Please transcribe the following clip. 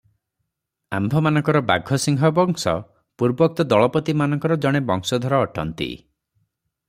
ଆମ୍ଭମାନଙ୍କର ବାଘସିଂହ ବଂଶ ପୂର୍ବୋକ୍ତ ଦଳପତିମାନଙ୍କର ଜଣେ ବଂଶଧର ଅଟନ୍ତି ।